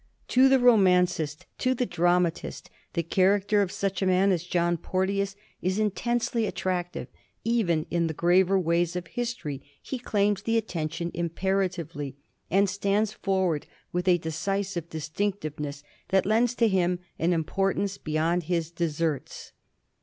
To the romancist, to the dramatist, the character of such a man as John Porteous is intensely attractive; even in the graver ways of history he claims the attention im peratively, and stands forward with a decisive distinct ness that lends to him an importance beyond his deserts. 1736. JOHN PORTEOUS.